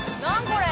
これ。